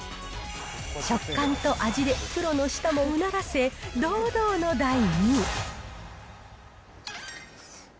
食感と味でプロの舌もうならせ、堂々の第２位。